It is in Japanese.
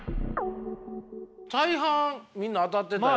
大半みんな当たってたよ。